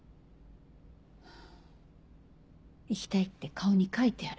「行きたい」って顔に書いてある。